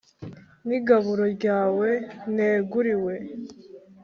n’igaburo ryawe neguriwe